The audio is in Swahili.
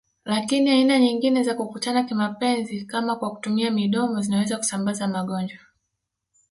Lakini aina nyingine za kukutana kimapenzi kama kwa kutumia midomo zinaweza kusambaza magonjwa